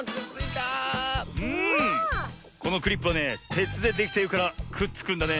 このクリップはねてつでできているからくっつくんだね。